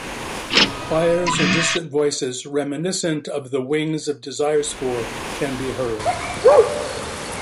Choirs and distant voices reminiscent of the "Wings of Desire" score can be heard.